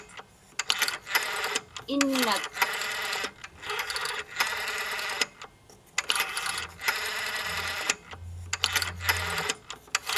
innak